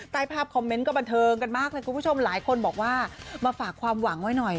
ใต้ภาพคอมเมนต์ก็บันเทิงกันมากเลยคุณผู้ชมหลายคนบอกว่ามาฝากความหวังไว้หน่อย